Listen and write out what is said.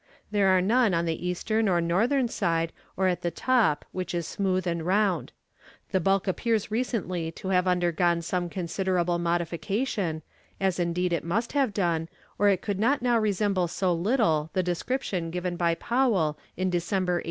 There are none on the eastern or northern side, or at the top, which is smooth and round. The bulk appears recently to have undergone some considerable modification, as indeed it must have done, or it could not now resemble so little the description given by Powell in December, 1822."